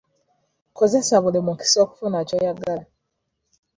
Kozesa buli mukisa okufuna ky'oyagala.